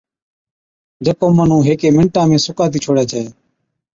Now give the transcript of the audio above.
جڪو مُنُون هيڪي مِنٽا ۾ سُڪاتِي ڇوڙَي ڇَي۔